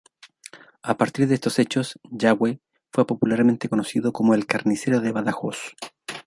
A partir de estos hechos, Yagüe fue popularmente conocido como "el carnicero de Badajoz".